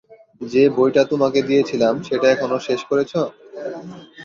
যে বইটা তোমাকে দিয়েছিলাম, সেটা এখনো শেষ করেছ?